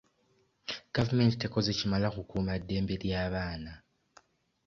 Gavumenti tekoze kimala kukuuma ddembe ly'abaana.